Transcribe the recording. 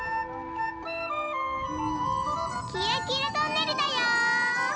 きらきらトンネルだよ。